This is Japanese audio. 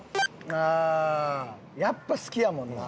ああやっぱ好きやもんな。